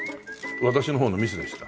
私の方のミスでした。